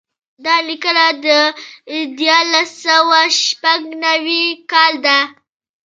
دا لیکنه د دیارلس سوه شپږ نوي کال ده.